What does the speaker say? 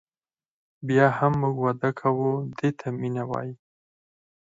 بیا هم موږ واده کوو دې ته مینه وایي.